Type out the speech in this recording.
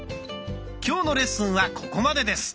今日のレッスンはここまでです。